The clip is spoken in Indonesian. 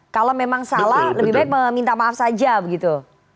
kalau memang salah lebih baik meminta maaf saja begitu